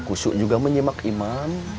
kusyuk juga menyemak imam